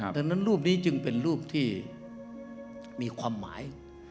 ดังนั้นรูปนี้จึงเป็นรูปที่มีความหมาย